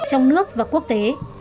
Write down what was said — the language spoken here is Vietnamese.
trong nước và quốc tế